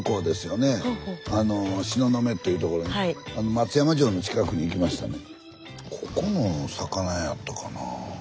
松山城の近くに行きましたね。